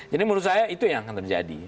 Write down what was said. jadi menurut saya itu yang akan terjadi